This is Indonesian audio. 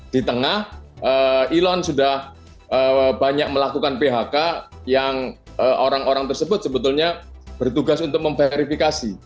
di tengah elon sudah banyak melakukan phk yang orang orang tersebut sebetulnya bertugas untuk memverifikasi